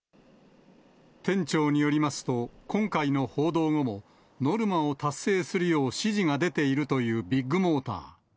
店長によりますと、今回の報道後もノルマを達成するよう指示が出ているというビッグモーター。